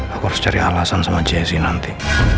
aku harus cari alasan sama jessi nanti